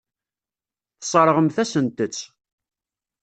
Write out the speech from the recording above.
Tesseṛɣem-asent-tt.